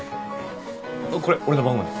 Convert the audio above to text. これ俺の番号ね。